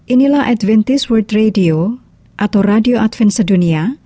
inilah adventist world radio atau radio advent sedunia